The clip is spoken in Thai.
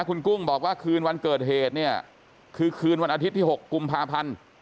คุณกุ้งบอกว่าคืนวันเกิดเหตุเนี่ยคือคืนวันอาทิตย์ที่๖กุมภาพันธ์